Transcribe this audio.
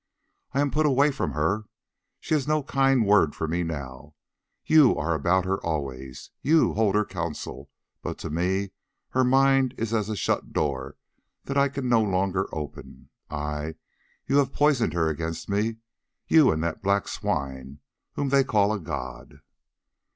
I am put away from her, she has no kind word for me now; you are about her always, you hold her counsel, but to me her mind is as a shut door that I can no longer open. Ay! you have poisoned her against me, you and that black swine whom they call a god.